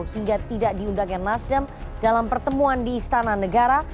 hingga tidak diundangkan nasdem dalam pertemuan di istana negara